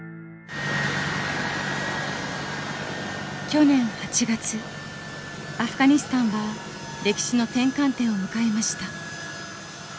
去年８月アフガニスタンは歴史の転換点を迎えました。